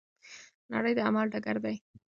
نړۍ د عمل ډګر دی.